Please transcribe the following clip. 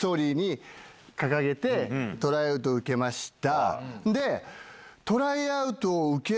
トライアウトを受けました。